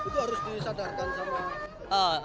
itu harus disadarkan sama